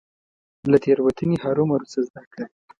له تيروتني هرمروه څه زده کړه .